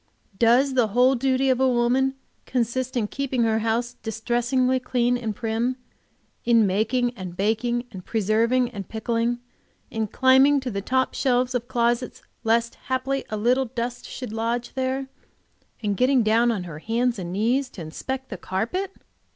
Does the whole duty of woman consist in keeping her house distressingly clean and prim; in making and baking and preserving and pickling; in climbing to the top shelves of closets lest haply a little dust should lodge there, and getting down on her hands and knees to inspect the carpet?